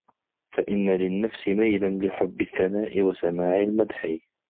فَإِنَّ لِلنَّفْسِ مَيْلًا لِحُبِّ الثَّنَاءِ وَسَمَاعِ الْمَدْحِ